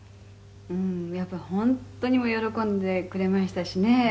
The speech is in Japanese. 「うんやっぱり本当に喜んでくれましたしねもう」